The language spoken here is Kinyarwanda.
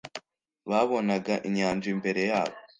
babonaga inyanja imbere yabo,